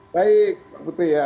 baik betul ya